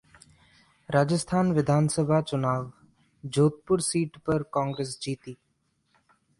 राजस्थान विधानसभा चुनाव: जोधपुर सीट पर कांग्रेस जीती